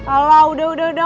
alah udah udah udah